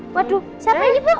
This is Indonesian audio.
waduh siapa ini bu